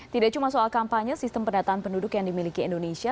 tidak cuma soal kampanye sistem pendataan penduduk yang dimiliki indonesia